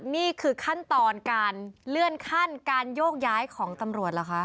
นี่คือขั้นตอนการเลื่อนขั้นการโยกย้ายของตำรวจเหรอคะ